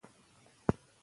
چاپیریال مه ککړوئ.